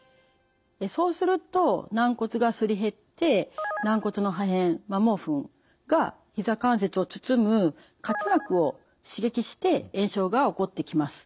そうすると軟骨がすり減って軟骨の破片摩耗粉がひざ関節を包む滑膜を刺激して炎症が起こってきます。